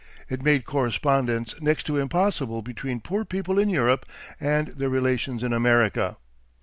It made correspondence next to impossible between poor people in Europe and their relations in America.